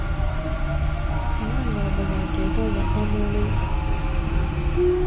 請問我會有幾多日 Annual Leave?